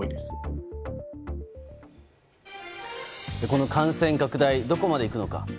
この感染拡大どこまでいくのか。